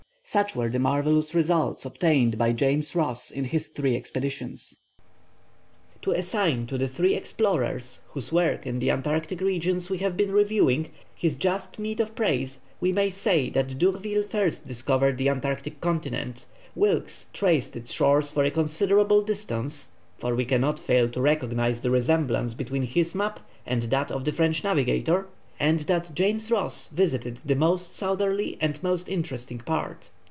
Such were the marvellous results obtained by James Ross in his three expeditions. To assign to the three explorers, whose work in the Antarctic regions we have been reviewing, his just meed of praise, we may say that D'Urville first discovered the Antarctic continent; Wilkes traced its shores for a considerable distance, for we cannot fail to recognize the resemblance between his map and that of the French navigator; and that James Ross visited the most southerly and most interesting part.